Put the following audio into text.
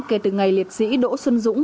kể từ ngày liệt sĩ đỗ xuân dũng